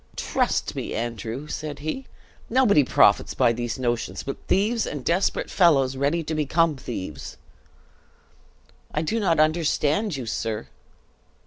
"Trust me, Andrew," said he, "nobody profits by these notions but thieves and desperate fellows ready to become thieves!" "I do not understand you, sir!"